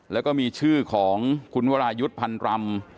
แล้วก็มีชื่อของคุณวรายุทธ์พันรำ